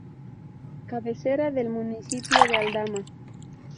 Cabecera del Municipio de Aldama.